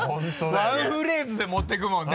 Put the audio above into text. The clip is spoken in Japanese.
ワンフレーズで持ってくもんね。